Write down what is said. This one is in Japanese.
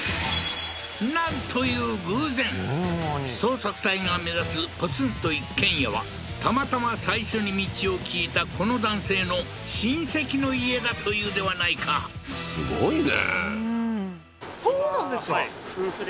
なんという偶然捜索隊が目指すポツンと一軒家はたまたま最初に道を聞いたこの男性の親戚の家だというではないかすごいねそうなんですか？